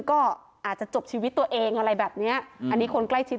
ก็อาจจะจบชีวิตตัวเองอะไรแบบเนี้ยอันนี้คนใกล้ชิด